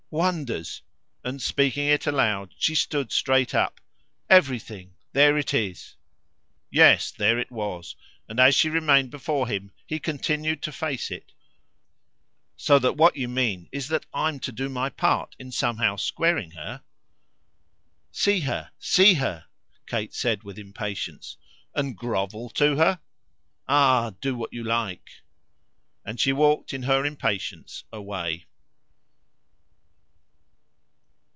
"Wonders!" And, speaking it loud, she stood straight up. "Everything. There it is." Yes, there it was, and as she remained before him he continued to face it. "So that what you mean is that I'm to do my part in somehow squaring her?" "See her, see her," Kate said with impatience. "And grovel to her?" "Ah do what you like!" And she walked in her impatience away.